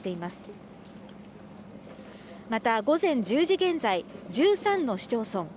また、午前１０時現在、１３の市町村